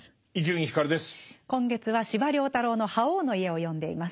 今月は司馬太郎の「覇王の家」を読んでいます。